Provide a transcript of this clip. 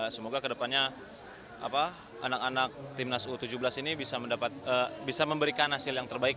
semoga ke depannya anak anak tim nasional u tujuh belas ini bisa memberikan hasil yang terbaik